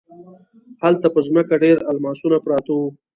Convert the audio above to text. هلته په ځمکه ډیر الماسونه پراته وو.